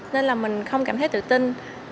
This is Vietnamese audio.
nên là mình không cảm thấy tự tin